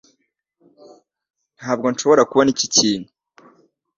Ntabwo nshobora kubona iki kintu